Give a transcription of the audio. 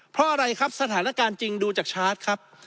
เพราะอะไรครับสถานการณ์จริงดูจากชาร์จครับ